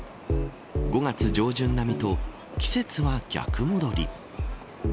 ５月上旬並みと季節は逆戻り。